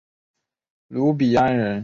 卢比安人口变化图示